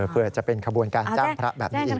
เพื่อจะเป็นขบวนการจ้างพระแบบนี้อีก